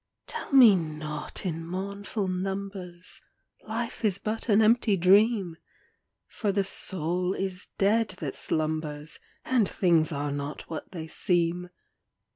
Tell me not, in mournful numbers, Life is but an empty dream ! For the soul is dead that slumbers. And things are not what they seem.